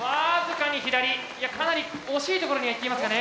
かなり惜しいところには行っていますかね。